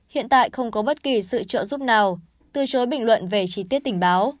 hiện tại không có bất kỳ sự trợ giúp nào từ chối bình luận về chi tiết tình báo